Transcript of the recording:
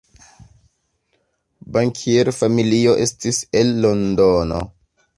Bankierfamilio estis el Londono.